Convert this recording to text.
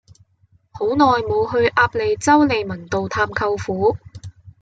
好耐無去鴨脷洲利民道探舅父